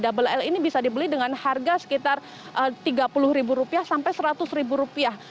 double l ini bisa dibeli dengan harga sekitar tiga puluh ribu rupiah sampai seratus ribu rupiah